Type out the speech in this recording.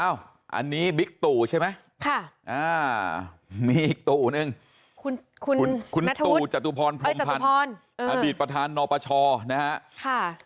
อันนี้บิ๊กตู่ใช่ไหมมีอีกตู่นึงคุณตู่จตุพรพรมพันธ์อดีตประธานนปชนะฮะ